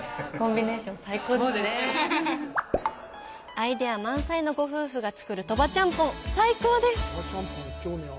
アイディア満載のご夫婦が作る鳥羽ちゃんぽん、最高です！